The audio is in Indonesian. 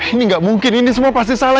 ini nggak mungkin ini semua pasti salah